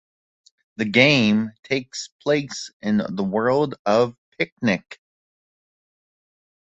The game takes place in the world of Picnic.